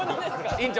院長